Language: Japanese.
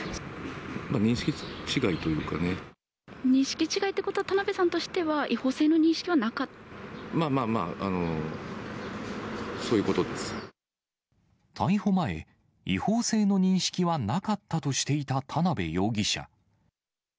まあ、認識違いっていうことは、田辺さんとしては、まあまあまあ、そういうこと逮捕前、違法性の認識はなかったとしていた田辺容疑者。